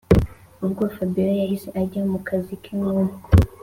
ubwo fabiora yahise ajya mukazi ke nkuko